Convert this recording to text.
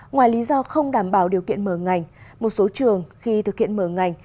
ngoài lý do không đảm bảo điều kiện mở ngành một số trường khi thực hiện mở ngành